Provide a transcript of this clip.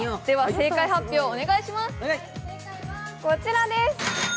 正解発表、お願いします。